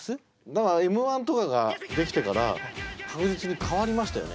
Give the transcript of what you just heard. だから「Ｍ−１」とかができてから確実に変わりましたよね。